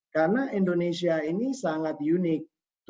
karena indonesia ini sangat unik